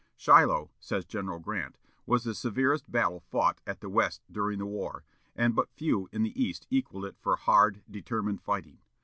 "Shiloh," says General Grant, "was the severest battle fought at the West during the war, and but few in the East equalled it for hard, determined fighting.